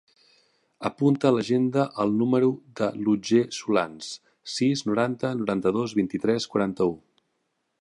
Apunta a l'agenda el número de l'Otger Solans: sis, noranta, noranta-dos, vint-i-tres, quaranta-u.